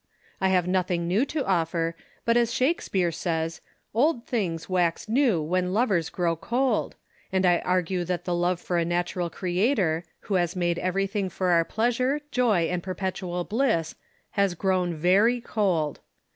'''' I have nothing new to offer, but as Shakespeare says :" Old things wax new when lovers grow cold," and I argue that the love for a natural 54 THE SOCIAL WAR OF 1900; OR, Creator, who has made everjthing for our pleasure, joy and perpetual bliss, has grown very cold.